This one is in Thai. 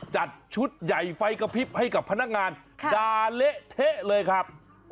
จัดชุดใหญ่ไฟกระพริบให้กับพนักงานด่าเละเทะเลยครับ